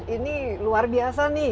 ini luar biasa nih